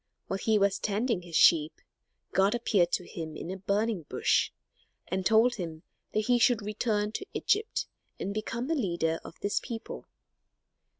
While he was tending his sheep God appeared to him in a burning bush and told him that he should return to Egypt and become the leader of his people.